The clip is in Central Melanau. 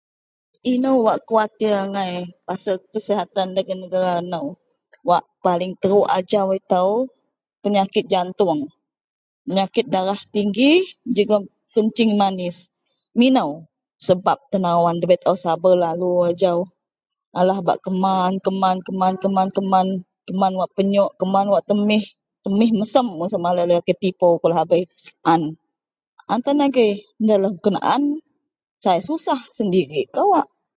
Ino wak kau khuatir angai pasel kasihatan dagen negara nou. Wak paling terouk ajau ito penyakit jatuong penyakit darah tinggi jegem kencing manis mino sebab tenawan dabei taau sabar lalu ajau alah bak keman keman keman keman keman keman wak penyok keman wak temin, temih mesem sama laei tipou kou lahabei an an tan agei da lah kenaan sai susah sendirik kawak.